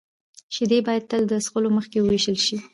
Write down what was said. شیدې باید تل د څښلو مخکې ویشول شي.